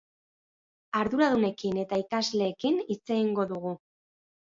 Arduradunekin eta ikasleekin hitz egingo dugu.